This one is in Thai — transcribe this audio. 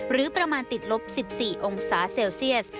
หรือประมาณติดลบ๑๔องศาเซลเซียส